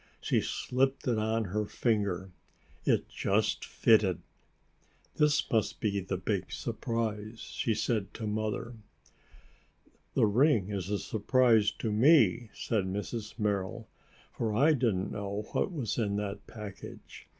She slipped it on her finger. It just fitted. "This must be the big surprise," she said to Mother. "The ring is a surprise to me," said Mrs. Merrill, "for I didn't know what was in that package.